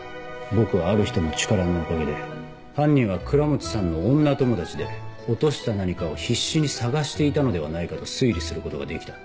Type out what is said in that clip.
僕はある人の力のおかげで犯人は倉持さんの女友達で落とした何かを必死に探していたのではないかと推理することができた。